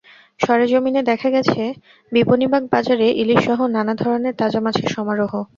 সরেজমিনে দেখা গেছে, বিপণিবাগ বাজারে ইলিশসহ নানা ধরনের তাজা মাছের সমারোহ।